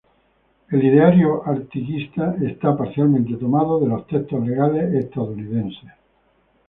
El ideario artiguista está parcialmente tomado de los textos legales estadounidenses.